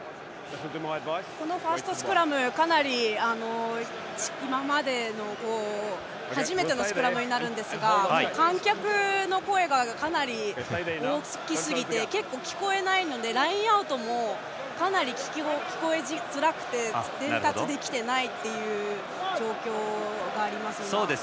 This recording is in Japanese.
このファーストスクラム初めてのスクラムになるんですが観客の声がかなり大きすぎて聞こえないのでラインアウトもかなり聞こえづらくて伝達できていないという状況がありますね。